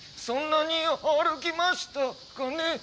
そんなに歩きましたかね。